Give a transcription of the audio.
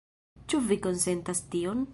Ĉu vi konsentas tion?